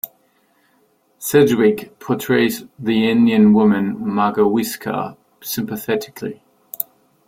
Sedgwick portrays the Indian woman "Magawisca" sympathetically.